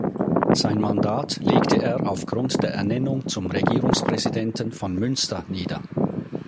Sein Mandat legte er aufgrund der Ernennung zum Regierungspräsidenten von Münster nieder.